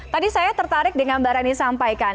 tadi saya tertarik dengan mbak rani sampaikan